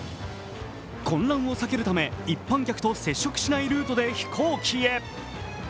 混乱を避けるため一般客と接触しないルートで飛行機へ。